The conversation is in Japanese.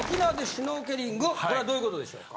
これはどういうことでしょうか？